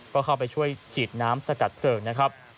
ก็เข้าไปช่วยฉีดน้ำสกัดเพลิงนะครับ